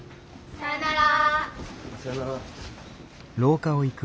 さようなら。